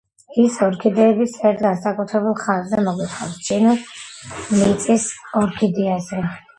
ის ორქიდეების ერთ განსაკუთრებულ სახეზე მოგვითხრობს, ჩინურ მიწის ორქიდეაზე.